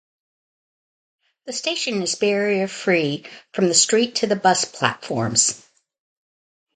The station is barrier free from the street to the bus platforms.